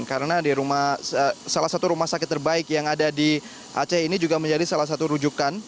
karena salah satu rumah sakit terbaik yang ada di aceh ini juga menjadi salah satu rujukan